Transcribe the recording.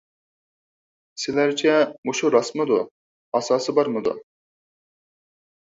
سىلەرچە مۇشۇ راستمىدۇ؟ ئاساسى بارمىدۇ؟